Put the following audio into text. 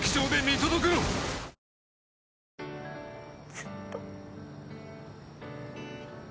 ずっと。